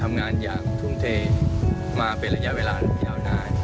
ทำงานอย่างทุ่มเทมาเป็นระยะเวลายาวนาน